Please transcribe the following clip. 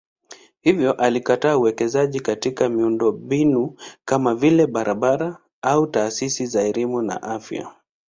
Hivyo alikataa uwekezaji katika miundombinu kama vile barabara au taasisi za elimu na afya.